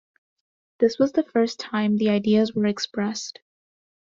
This was the first time the ideas were expressed.